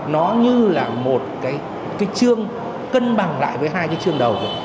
nó như là một cái chương cân bằng lại với hai cái chương đầu